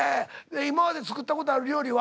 今まで作ったことある料理は？